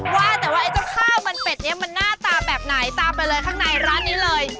ว่าแต่ว่าไอ้เจ้าข้าวมันเป็ดนี้มันหน้าตาแบบไหนตามไปเลยข้างในร้านนี้เลย